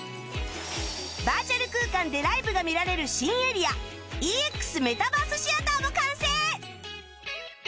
バーチャル空間でライブが見られる新エリア ＥＸ メタバースシアターも完成！